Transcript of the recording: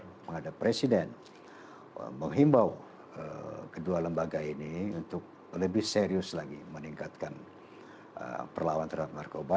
untuk menghadap presiden menghimbau kedua lembaga ini untuk lebih serius lagi meningkatkan perlawan terhadap narkoba